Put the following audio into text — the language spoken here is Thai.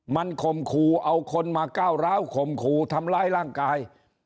มันข่มขู่เอาคนมาก้าวร้าวข่มขู่ทำร้ายร่างกาย